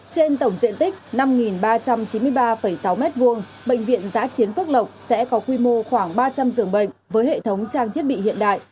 trên tổng diện tích năm ba trăm chín mươi ba sáu m hai bệnh viện giã chiến phước lộc sẽ có quy mô khoảng ba trăm linh giường bệnh với hệ thống trang thiết bị hiện đại